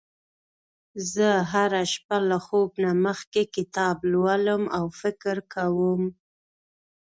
زه هره شپه له خوب نه مخکې کتاب لولم او فکر کوم